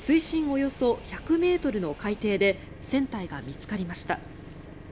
およそ１００ｍの海底で船体が見つかりました。